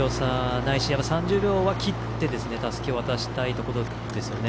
ないしは３０秒は切ってたすきを渡したいところですよね。